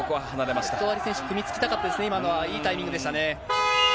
メトワリ選手、組みつきたかったですね、今のは、いいタイミングでしたね。